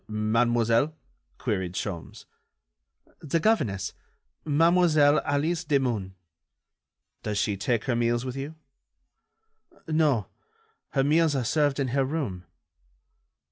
"Mademoiselle?" queried Sholmes. "The governess, Mademoiselle Alice Demun." "Does she take her meals with you?" "No. Her meals are served in her room."